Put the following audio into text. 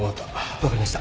分かりました。